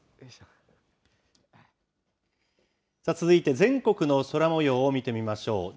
続いて全国の空もようを見てみましょう。